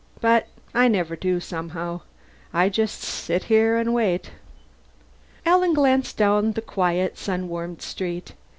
But I never do, somehow. I just sit here and wait." Alan glanced down the quiet sun warmed street.